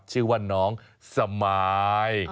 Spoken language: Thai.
ชื่อว่าน้องสมาย